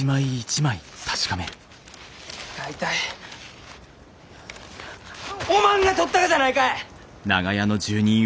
大体おまんがとったがじゃないかえ！